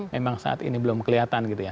memang saat ini belum kelihatan gitu ya